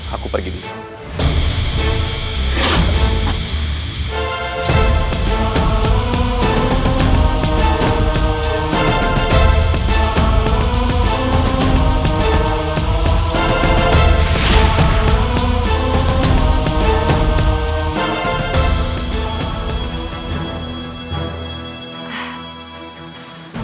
aku pergi dulu